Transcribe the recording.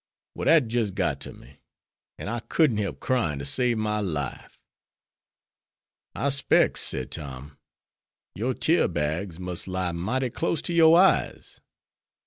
Well, dat jis' got to me, an' I couldn't help cryin', to save my life." "I specs," said Tom, "your tear bags must lie mighty close to your eyes.